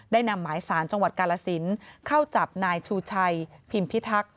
นำหมายสารจังหวัดกาลสินเข้าจับนายชูชัยพิมพิทักษ์